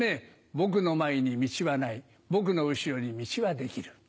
僕の前に道はない僕の後ろに道は出来る。